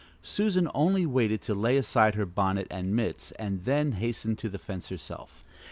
Susan only waited to lay aside her bonnet and mitts and then hastened to the fence herself.